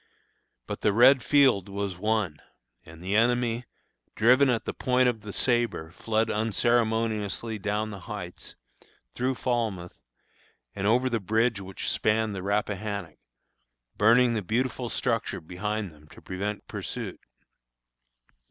But the red field was won; and the enemy, driven at the point of the sabre fled unceremoniously down the Heights, through Falmouth, and over the bridge which spanned the Rappahannock, burning the beautiful structure behind them to prevent pursuit.